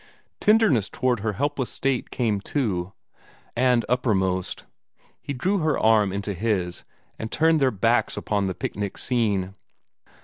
Tenderness toward her helpless state came too, and uppermost. He drew her arm into his, and turned their backs upon the picnic scene.